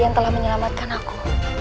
yang telah menyelamatkan aku